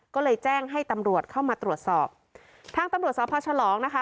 ก็เลยแจ้งให้ตำรวจเข้ามาตรวจสอบทางตำรวจสพฉลองนะคะ